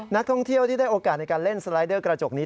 นักท่องเที่ยวที่ได้โอกาสในการเล่นสไลเดอร์กระจกนี้